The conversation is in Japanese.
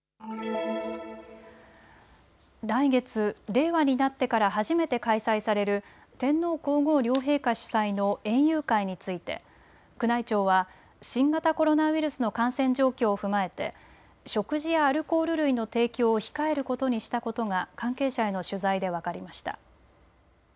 来月、令和になってから初めて開催される天皇皇后両陛下主催の園遊会について宮内庁は新型コロナウイルスの感染状況を踏まえて食事やアルコール類の提供を控えることにしたことが関係者への取材で分かりました。